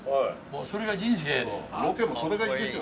もうそれが人生やで。